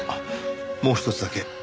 もうひとつだけ。